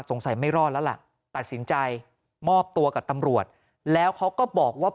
ไม่รอดแล้วล่ะตัดสินใจมอบตัวกับตำรวจแล้วเขาก็บอกว่า